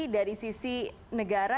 dari sisi negara